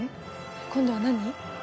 今度は何？